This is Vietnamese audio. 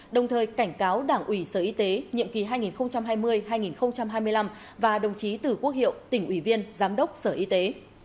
đồng thời cảnh cáo đảng ủy sở y tế nhiệm kỳ hai nghìn hai mươi hai nghìn hai mươi năm và đồng chí tử quốc hiệu tỉnh ủy viên giám đốc sở y tế